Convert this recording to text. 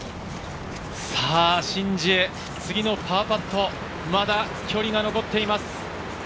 シン・ジエ、次のパーパット、まだ距離が残っています。